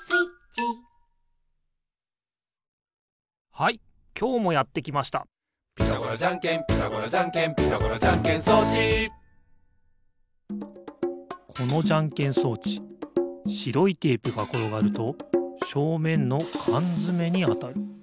はいきょうもやってきました「ピタゴラじゃんけんピタゴラじゃんけん」「ピタゴラじゃんけん装置」このじゃんけん装置しろいテープがころがるとしょうめんのかんづめにあたる。